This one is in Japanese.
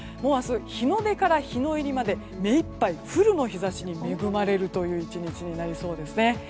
明日日の出から日の入りまで目いっぱいフルの日差しに恵まれるという１日になりそうです。